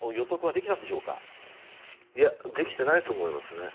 できていないと思います。